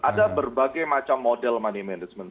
ada berbagai macam model money management